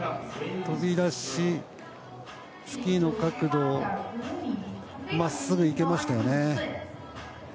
飛び出し、スキーの角度真っすぐいけましたよね。